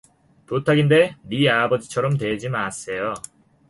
부탁인데, 네 아버지처럼 되지 마세요.